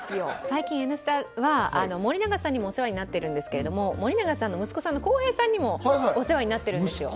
最近「Ｎスタ」は森永さんにもお世話になってるんですけれども森永さんの息子さんの康平さんにもお世話になってるんですよ